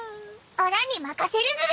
オラに任せるズラ！